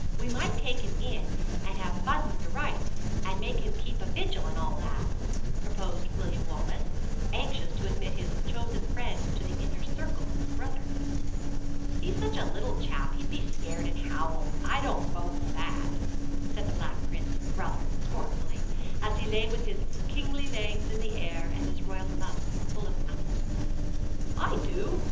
We might take him in and have fun with the rites, and make him keep a vigil and all that," proposed William Wallace, anxious to admit his chosen friend to the inner circle of the brotherhood. "He's such a little chap he'd be scared and howl. I don't vote for that," said the Black Prince, rather scornfully, as he lay with his kingly legs in the air, and his royal mouth full of apple. "I do!"